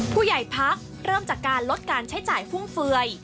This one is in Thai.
พักเริ่มจากการลดการใช้จ่ายฟุ่มเฟือย